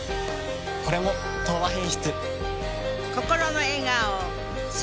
これも「東和品質」。